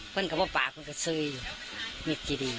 เพื่อนกับพ่อป่าเพื่อนกับสุยมิตรกิริย์